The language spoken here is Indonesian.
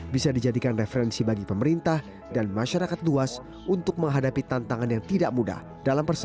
bisa dijadikan referensi bagi pemerintah dan masyarakat luas untuk menghadapi tantangan yang tidak mudah